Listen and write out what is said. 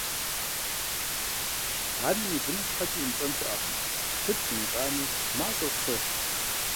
Анэм и быным щхьэкӀэ имыщӀэн щыӀэкъым, сыт хуимыщӀами, мащӀэу къыщохъу.